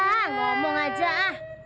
hah ngomong aja ah